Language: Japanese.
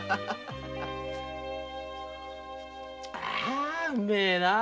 ああうめえなあ